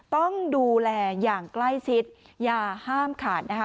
ต้องดูแลอย่างใกล้ชิดอย่าห้ามขาดนะคะ